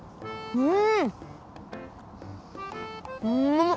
うん！